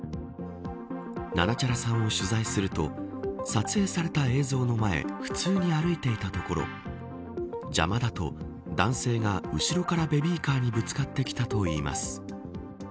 ななちゃらさんを取材すると撮影された映像の前普通に歩いていたところ邪魔だと、男性が後ろからベビーカーにぶつかってきたといいます。